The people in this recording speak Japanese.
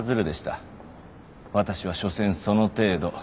私はしょせんその程度。